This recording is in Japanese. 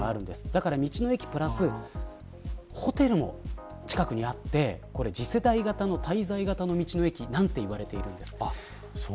だから道の駅プラスホテルも近くにあってこれ、次世代型の滞在型の道の駅なんて言われているんです。